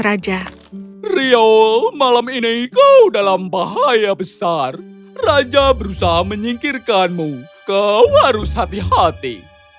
raja rio malam ini kau dalam bahaya besar raja berusaha menyingkirkanmu kau harus hati hati